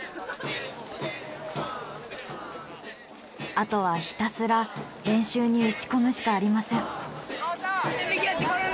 あとはひたすら練習に打ち込むしかありません。